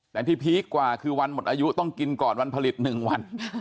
แต่ที่พีคกว่าคือวันหมดอายุต้องกินก่อนวันผลิต๑วัน